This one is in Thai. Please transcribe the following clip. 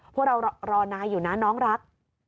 พวกเรารอนายอยู่นะน้องรัก